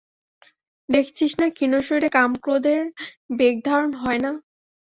দেখছিস না, ক্ষীণ শরীরে কাম-ক্রোধের বেগধারণ হয় না।